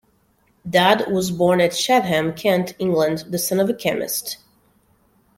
Dadd was born at Chatham, Kent, England, the son of a chemist.